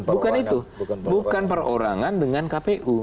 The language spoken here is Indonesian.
bukan itu bukan perorangan dengan kpu